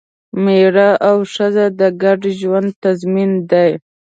مېړه او ښځه د ګډ ژوند تضمین دی.